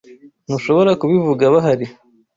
Ntushobora kubivuga bahari.